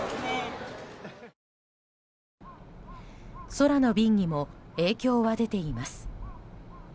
空の便にも影響は出ています。